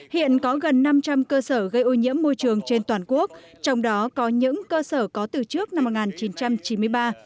hiện có gần năm trăm linh cơ sở gây ô nhiễm môi trường trên toàn quốc trong đó có những cơ sở có từ trước năm một nghìn chín trăm chín mươi ba